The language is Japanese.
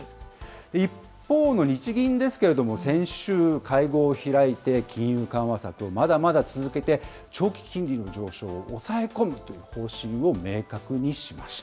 一方の日銀ですけれども、先週、会合を開いて、金融緩和策をまだまだ続けて、長期金利の上昇を抑え込むという方針を明確にしまし